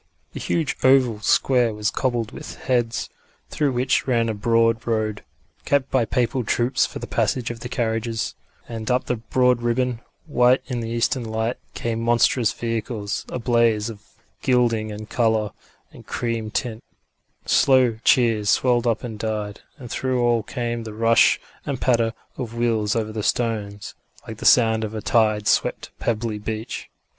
The huge oval square was cobbled with heads, through which ran a broad road, kept by papal troops for the passage of the carriages; and up the broad ribbon, white in the eastern light, came monstrous vehicles, a blaze of gilding and colour and cream tint; slow cheers swelled up and died, and through all came the rush and patter of wheels over the stones, like the sound of a tide swept pebbly beach.